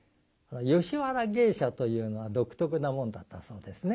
吉原芸者というのは独特なもんだったそうですね。